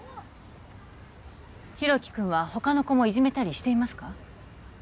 大樹君は他の子もいじめたりしていますか？